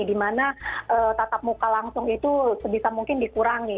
dimana tatap muka langsung itu sebisa mungkin dikurangi